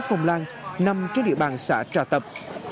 phòng lan nằm trên địa bàn xã trà tập